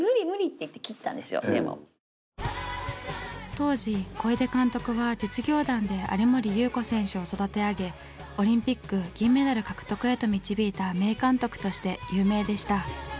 当時小出監督は実業団で有森裕子選手を育て上げオリンピック銀メダル獲得へと導いた名監督として有名でした。